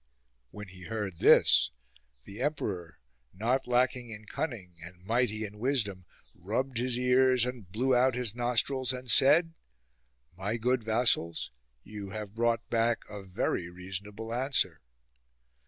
" When he heard this the emperor, not lacking in cunning and mighty in wisdom, rubbed his ears and blew out his nostrils and said :" My good vassals, you have brought back a very reasonable answer."